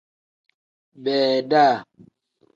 Beeda.